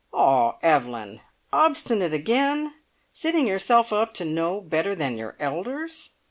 "Ah, Evelyn! Obstinate again! Setting yourself up to know better than your elders.